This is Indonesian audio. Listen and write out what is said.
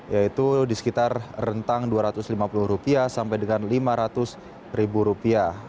yaitu di sekitar rentang rp dua ratus lima puluh sampai dengan rp lima ratus